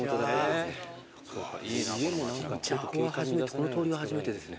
この通りは初めてですね。